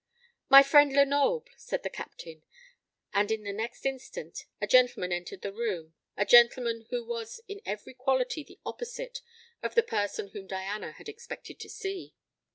"My friend Lenoble," said the Captain; and in the next instant a gentleman entered the room, a gentleman who was in every quality the opposite of the person whom Diana had expected to see.